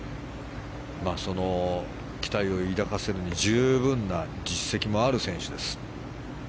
その期待を抱かせるに十分な実績もある選手です。